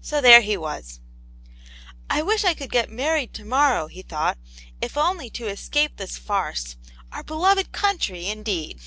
So there he was. "I wish I could get married to morrow," he thought, "if only to escape this farce. Our beloved country, indeed?"